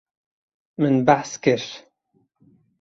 Min behs kir.